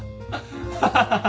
ハハハハ！